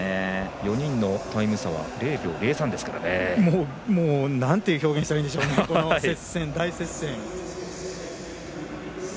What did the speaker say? ４人のタイム差は０秒０３ですからね。なんて表現したらいいんでしょう、大接戦。